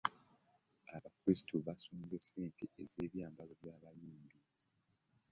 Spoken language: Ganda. Abakristayo basonze ssente ez'ebyambalo by'abayimbi.